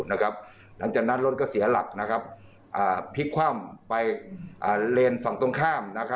หลังจากนั้นรถก็เสียหลักพลิกคว่ำไปเลนส์ฝั่งตรงข้าม